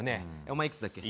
お前いくつだっけ？